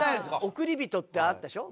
『おくりびと』ってあったでしょ？